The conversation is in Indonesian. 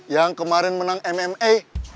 yang kemarin menang mma